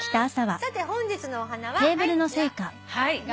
さて本日のお花はこちら。